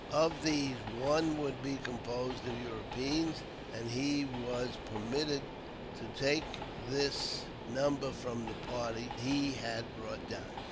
Of these one would be composed of Europeans, and he was permitted to take this number from the party he had brought down.